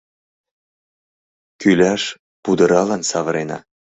Кӱляш пудыралан савырена.